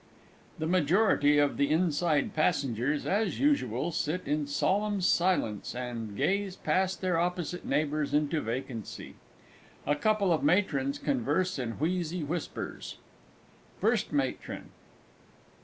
_The majority of the inside passengers, as usual, sit in solemn silence, and gaze past their opposite neighbours into vacancy. A couple of Matrons converse in wheezy whispers_. FIRST MATRON.